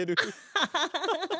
アハハハハ。